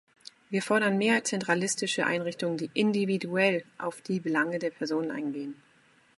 Wir fordern mehr zentralistische Einrichtungen, die "individuell" auf die Belange der Personen eingehen.